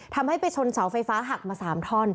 ทำให้ไปชนเสาไฟฟ้าหักมา๓ท่อน